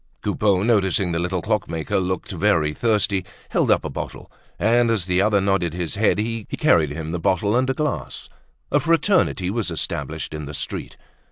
Coupeau, noticing the little clockmaker looked very thirsty, held up a bottle; and as the other nodded his head, he carried him the bottle and a glass. A fraternity was established in the street.